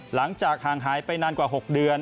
หลังจากห่างหายไปนานกว่า๖เดือน